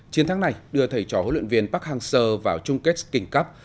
chiến thắng này đưa thầy trò huấn luyện viên park hang seo vào chung kết king cup